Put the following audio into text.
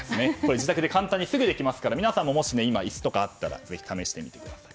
自宅で簡単にすぐできますから皆さんも椅子などありましたらぜひ試してみてください。